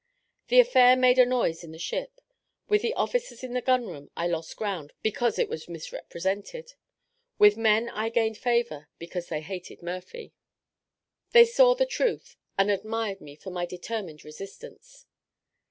The affair made a noise in the ship. With the officers in the gun room I lost ground, because it was misrepresented. With the men I gained favour, because they hated Murphy. They saw the truth, and admired me for my determined resistance.